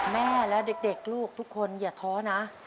แม่และเด็กลูกทุกคนอย่าท้อนะ